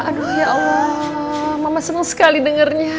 aduh ya allah mama seneng sekali dengernya